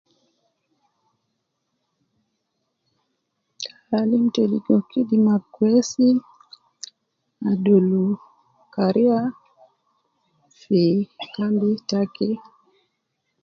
Alim te ligo kidima kwesi, adulu kariya fi kambi taki